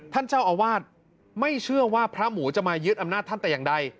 ท่านเจ้าอาวาสไม่เชื่อว่าพระหมูจะมายึดอำนาจท่านแต่อย่างใด